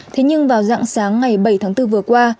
thế nhưng vào dạng sáng ngày bảy tháng bốn vừa qua